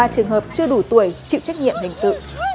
ba trường hợp chưa đủ tuổi chịu trách nhiệm hình sự